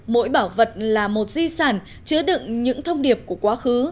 mỗi bảo vật là một di sản chứa đựng những thông điệp của quá khứ